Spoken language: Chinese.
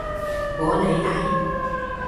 博雷埃。